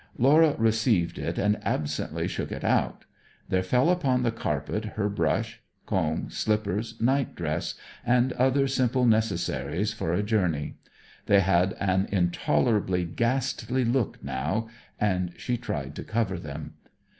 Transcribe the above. Laura received it and absently shook it out. There fell upon the carpet her brush, comb, slippers, nightdress, and other simple necessaries for a journey. They had an intolerably ghastly look now, and she tried to cover them.